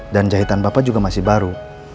dan jahitan bapak juga masih baru